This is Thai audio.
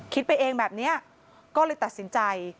ไปเองแบบนี้ก็เลยตัดสินใจ